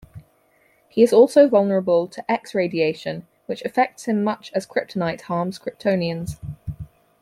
He is also vulnerable to "X-radiation", which affects him much as kryptonite harms Kryptonians.